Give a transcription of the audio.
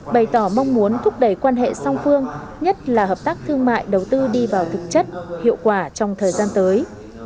bày tỏ mong muốn thúc đẩy quan hệ song phương nhất là hợp tác thương mại đầu tư đi vào thực chất hiệu quả trong thời gian tới